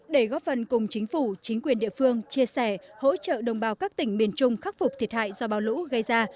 để góp phần cùng chính phủ chính quyền địa phương chia sẻ hỗ trợ đồng bào các tỉnh miền trung khắc phục thiệt hại do bão lũ gây ra